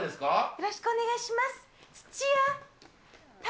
よろしくお願いします。